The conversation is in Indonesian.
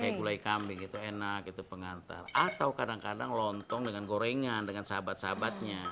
kayak gulai kambing itu enak itu pengantar atau kadang kadang lontong dengan gorengan dengan sahabat sahabatnya